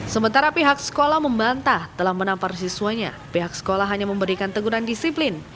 sementara pihak sekolah membantah telah menampar siswanya pihak sekolah hanya memberikan teguran disiplin